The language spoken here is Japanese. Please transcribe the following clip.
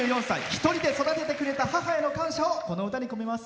１人で育ててくれた母への感謝をこの歌に込めます。